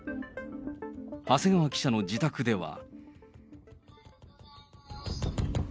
長谷川記者の自宅では。